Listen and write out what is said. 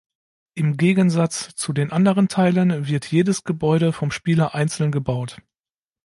Im Gegensatz zu den anderen Teilen wird jedes Gebäude vom Spieler einzeln gebaut.